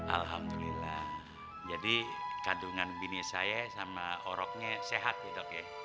alhamdulillah jadi kandungan binis saya sama oroknya sehat ya dok ya